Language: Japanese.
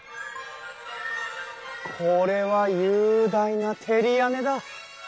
これは雄大な照り屋根だ！